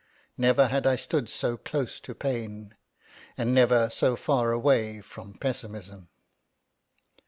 Never had I stood so close to pain; and never so far away from pessimism.